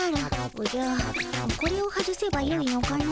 おじゃこれを外せばよいのかの？